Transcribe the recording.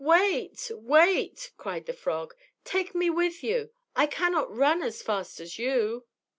"Wait! wait!" cried the frog; "take me with you. I cannot run as fast as you."